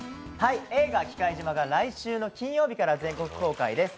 映画「忌怪島／きかいじま」が来週の金曜日から全国公開です。